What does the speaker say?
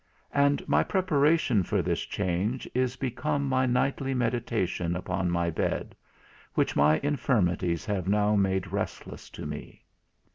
And my preparation for this change is become my nightly meditation upon my bed, which my infirmities have now made restless to me.